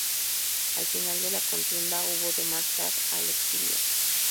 Al final de la contienda hubo de marchar al exilio.